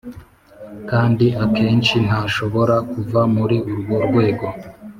kandi akenshi ntashobora kuva muri urwo rwego